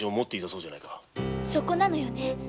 そこなのよね